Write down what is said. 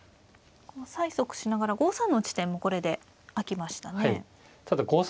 催促しながら５三の地点もこれで空きましたね。